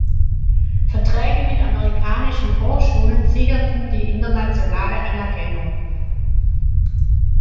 Verträge mit amerikanischen Hochschulen sicherten die internationale Anerkennung.